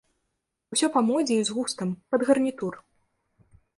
Усё па модзе і з густам, пад гарнітур.